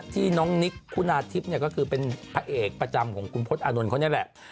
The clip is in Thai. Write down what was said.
ที่น้องนิกคุณาทิพย์ก็คือเป็นพระเอกประจำของคุณพศอานนท์เขานี่แหละ